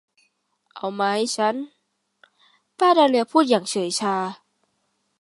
เอามาให้ฉัน ป้าดาเลียพูดอย่างเฉื่อยชา